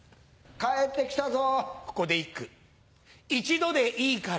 帰ってきたぞ。